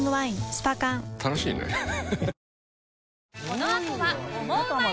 スパ缶楽しいねハハハ